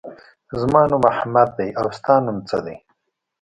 زما نوم احمد دی. او ستا نوم څه دی؟